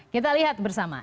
kita lihat bersama